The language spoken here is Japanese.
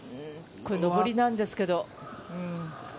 これ、上りなんですけど。